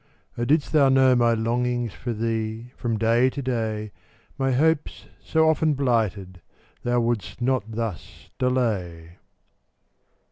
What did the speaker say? Oh, didst thou know my longings For thee, from day to day, My hopes, so often blighted, Thou wouldst not thus delay!